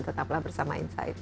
tetaplah bersama insight